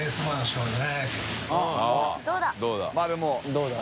どうだ？